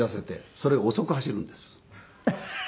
それが遅く走るんです。